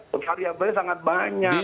pekarya banyak sangat banyak